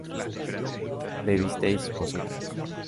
¿bebisteis vosotros?